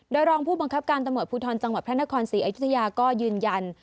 โดยรองผู้บังคับการตำรวจภูทรจังหวัดพระนครศรีอยุธยาก็ยืนยัน